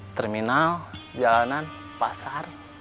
terminal jalanan pasar